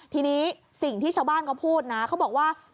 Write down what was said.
ทีนี้สิ่งที่ชาวบ้านเขาพูดนะเขาบอกว่า